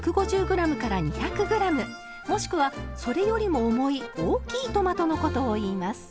もしくはそれよりも重い大きいトマトのことをいいます。